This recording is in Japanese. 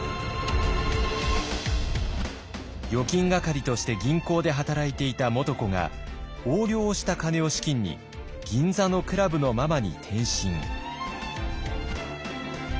預金係として銀行で働いていた元子が横領をした金を資金に銀座のクラブのママに転身。